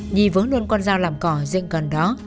nhi vớ luôn con dao làm cỏ dựng gần đó